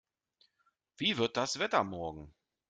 Wie wird das Wetter morgen?